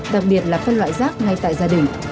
đặc biệt là phân loại rác ngay tại gia đình